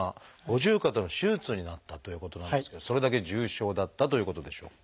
五十肩の手術になったということなんですけどそれだけ重症だったということでしょうか？